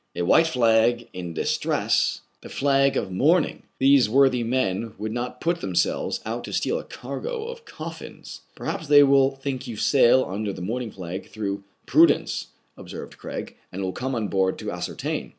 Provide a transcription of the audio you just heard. A white flag in distress ! the flag of mourn ing ! These worthy men would not put themselves out to steal a cargo of coffins." "Perhaps they will think you sail under the mourning flag through prudence," observed Craig, "and will come on board to ascertain."